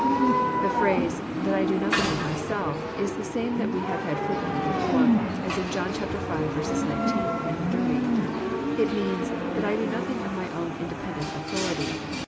The phrase " that I do nothing of myself " is the same that we have had frequently before, as in John v. 19, SO. It means "that I do nothing of My own independent authority."